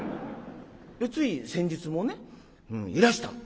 つい先日もねいらしたの。